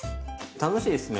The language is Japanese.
楽しいですね。